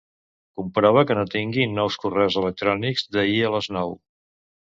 Comprova que no tingui nous correus electrònics d'ahir a les nou.